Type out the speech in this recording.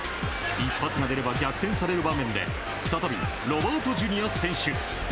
一発が出れば逆転される場面で再びロバートＪｒ．選手。